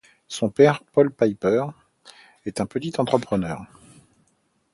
Son père, Paul Piper est un petit entrepreneur.